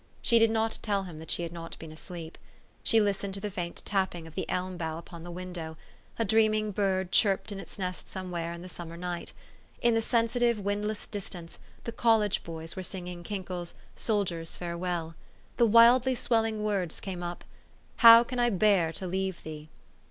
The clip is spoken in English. She did not tell him that she had not been asleep. She listened to the faint tapping of the elm bough upon the window; a dreaming bird chirped in its nest somewhere in the summer night ; in the sensitive, windless distance, the college boys were singing Kinkel's " Soldier's Farewell." The wildly swelling words came up, " How can I bear to leave thee